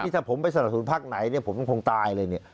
ถ้าผมไปสนับสนุนพักไหนเนี่ยผมคงตายเลยเนี่ย